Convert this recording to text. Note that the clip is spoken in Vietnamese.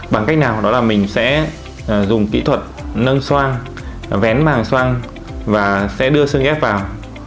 bằng cách nào đó là mình sẽ dùng kỹ thuật nâng soang vén màng xoang và sẽ đưa sức ép vào